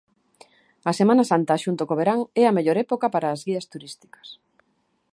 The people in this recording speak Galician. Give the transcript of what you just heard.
A semana santa xunto co verán é a mellor época para as guías turísticas.